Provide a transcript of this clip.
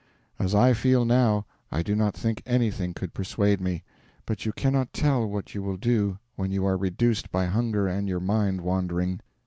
As I feel now, I do not think anything could persuade me; but you cannot tell what you will do when you are reduced by hunger and your mind wandering.